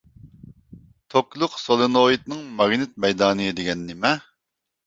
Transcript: توكلۇق سولېنوئىدنىڭ ماگنىت مەيدانى دېگەن نېمە؟